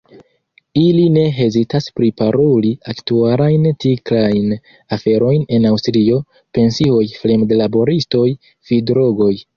Ili ne hezitas priparoli aktualajn tiklajn aferojn en Aŭstrio: pensioj, fremdlaboristoj, fidrogoj.